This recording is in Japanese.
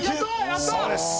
やった！